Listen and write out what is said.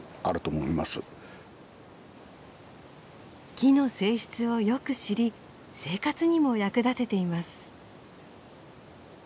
木の性質をよく知り生活にも役立てています。